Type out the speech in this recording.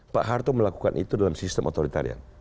pak harto melakukan itu dalam sistem otoritarian